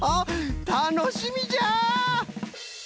たのしみじゃ！